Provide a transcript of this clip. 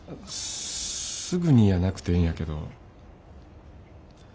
すぐにやなくてええんやけど。